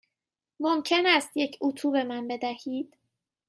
ممکن است یک اتو به من بدهید؟